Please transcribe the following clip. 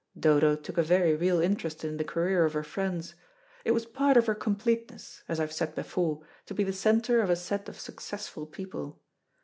Dodo took a very real interest in the career of her friends. It was part of her completeness, as I have said before, to be the centre of a set of successful people.